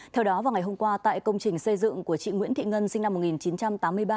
theo đó vào ngày hôm qua tại công trình xây dựng của chị nguyễn thị ngân sinh năm một nghìn chín trăm tám mươi ba